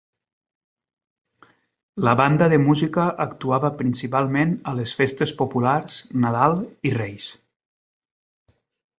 La banda de Música actuava principalment a les festes populars, Nadal i Reis.